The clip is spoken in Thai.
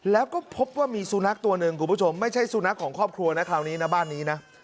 แล้วก็พบว่ามีสุนัขตัวหนึ่งคุณผู้ชมไม่ใช่สุนัขของครอบครัวนะคราวนี้นะบ้านนี้นะ